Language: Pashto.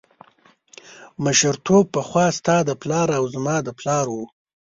مشرتوب پخوا ستا د پلار او زما د پلار و.